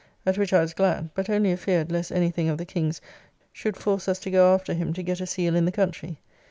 At which I was glad, but only afeard lest any thing of the King's should force us to go after him to get a seal in the country.